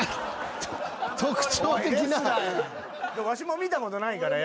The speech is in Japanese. わしも見たことないからや。